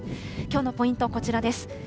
きょうのポイント、こちらです。